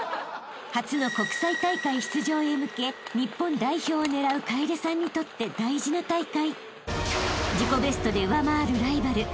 ［初の国際大会出場へ向け日本代表を狙う楓さんにとって大事な大会］